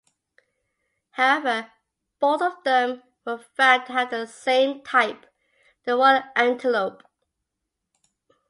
However, both of them were found to have the same type, the royal antelope.